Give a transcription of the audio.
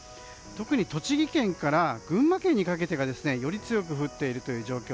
特に栃木県から群馬県にかけてがより強く降っているという状況。